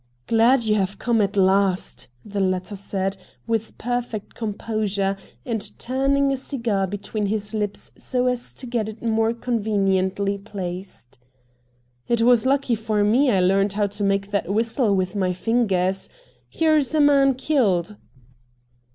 ' Glad you have come at last/ the latter said, with perfect composure, and turning a cigar between his lips so as to get it more conveniently placed. ' It was lucky for me I learned how to make that whistle with my fingers. Here's a man killed.'